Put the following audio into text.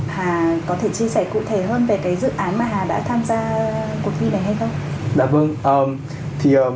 hà có thể chia sẻ cụ thể hơn về cái dự án mà đã tham gia cuộc thi này hay không